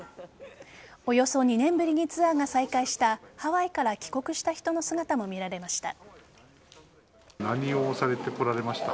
およそ２年ぶりにツアーが再開したハワイから帰国した人の姿も見られました。